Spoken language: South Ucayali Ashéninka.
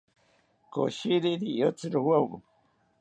Koshiri rioyotsi rowawo